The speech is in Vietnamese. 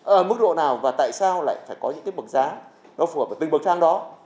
ở mức độ nào và tại sao lại phải có những cái bậc giá nó phù hợp với từng bậc thang đó